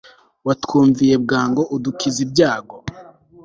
watwumviye bwangu udukiza ibyago